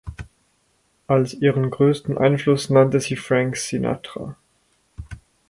Als ihren größten Einfluss nannte sie Frank Sinatra.